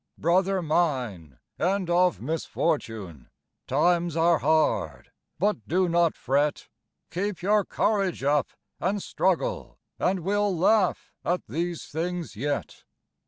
Brother mine, and of misfortune ! times are hard, but do not fret, Keep your courage up and struggle, and we'll laugh at these things yet.